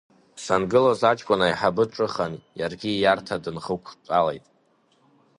Сангылоз аҷкәын аиҳабы дҿыхан, иаргьы ииарҭа дынхықәтәалеит.